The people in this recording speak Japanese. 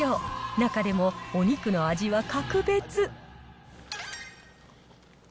中でも、お肉の味は格別。